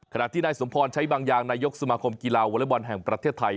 ขณะที่นายสมพรใช้บางอย่างนายกสมาคมกีฬาวอเล็กบอลแห่งประเทศไทย